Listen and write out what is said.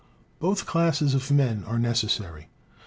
Both classes of men are necessary.